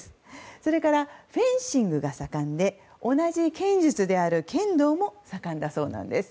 それから、フェンシングが盛んで同じ剣術である剣道も盛んだそうです。